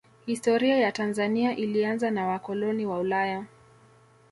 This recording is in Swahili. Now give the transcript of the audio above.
Historia ya Tanzania ilianza na wakoloni wa Ulaya